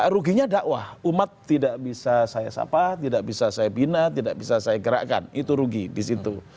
ruginya dakwah umat tidak bisa saya sapa tidak bisa saya bina tidak bisa saya gerakkan itu rugi di situ